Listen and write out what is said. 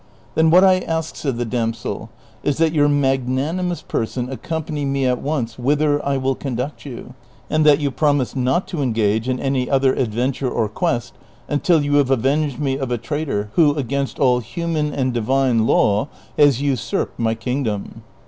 " Then what I ask," said the damsel, " is that your magnani mous person accompany me at once whither I will conduct you, and that you promise not to engage in any other adventure or quest until you have avenged me of a traitor who, against all human and divine law, has usurped my kingdom."